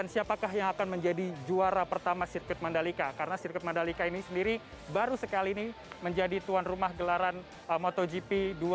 siapakah yang akan menjadi juara pertama sirkuit mandalika karena sirkuit mandalika ini sendiri baru sekali ini menjadi tuan rumah gelaran motogp dua ribu dua puluh